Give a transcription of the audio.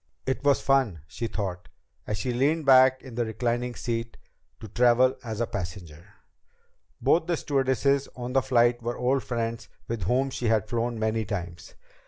It was fun, she thought, as she leaned back in the reclining seat, to travel as a passenger. Both the stewardesses on the flight were old friends with whom she had flown many times.